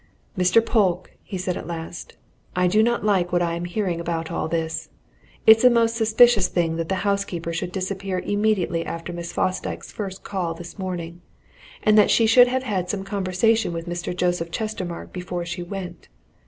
"Mr. Polke," he said at last, "I do not like what I am hearing about all this. It's a most suspicious thing that the housekeeper should disappear immediately after Miss Fosdyke's first call this morning, and that she should have had some conversation with Mr. Joseph Chestermarke before she went.